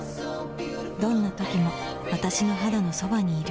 どんな時も私の肌のそばにいる